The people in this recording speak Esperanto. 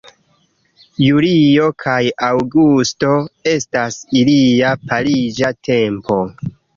Julio kaj aŭgusto estas ilia pariĝa tempo.